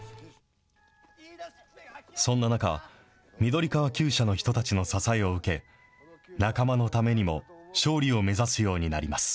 そんな中、緑川厩舎の人たちの支えを受け、仲間のためにも勝利を目指すようになります。